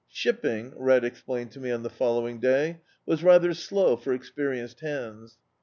Slipping, Red explained to me on the following day, was rather slow for experienced hands.